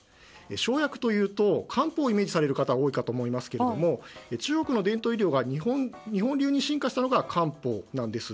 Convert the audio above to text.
生薬というと漢方をイメージされるかたが多いと思いますが日本流に進化したのが漢方です。